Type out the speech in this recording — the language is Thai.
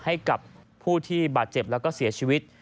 ให้กับผู้ที่บาดเจ็บแล้วก็เสียชีวิต